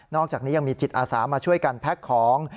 อกจากนี้ยังมีจิตอาสามาช่วยกันแพ็คของ